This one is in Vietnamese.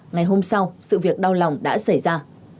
ngày hôm sau sự việc đau lòng đã xảy ra